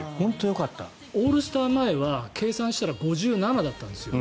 オールスター前は計算したら５７だったんですよ。